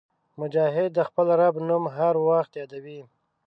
مجاهد د خپل رب نوم هر وخت یادوي.